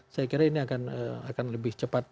saya kira ini akan lebih cepat